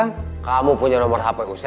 gak ada yang kabur